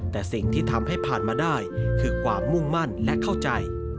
แต่สิ่งที่ทำให้ผ่านมาได้คือความมุ่งมั่นและเข้าใจ